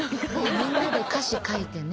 みんなで歌詞書いてね。